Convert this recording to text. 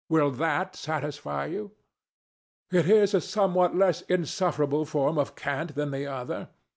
Will that satisfy you? DON JUAN. It is a somewhat less insufferable form of cant than the other.